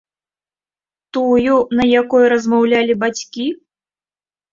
Тую, на якой размаўлялі бацькі?